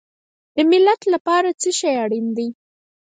د ملت لپاره څه شی اړین دی؟